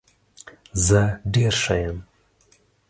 زه ډیر ښه یم.